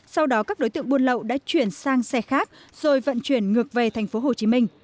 sau đó các đối tượng buôn lậu đã chuyển sang xe khác rồi vận chuyển ngược về tp hcm